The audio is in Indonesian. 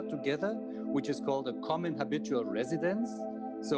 yang disebut residen biasa